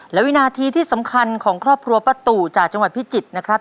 และวินาทีที่สำคัญของครอบครัวป้าตู่จากจังหวัดพิจิตรนะครับ